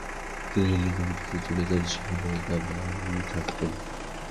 তিনি লিংগবিতে চলে যান, যেখানে তার নানি থাকতেন।